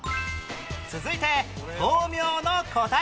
続いて豆苗の答え